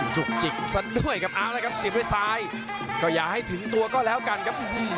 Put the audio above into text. จุกจิกซะด้วยครับเอาละครับเสียบด้วยซ้ายก็อย่าให้ถึงตัวก็แล้วกันครับ